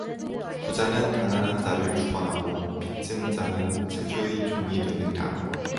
부자는 가난한 자를 주관하고 빚진 자는 채주의 종이 되느니라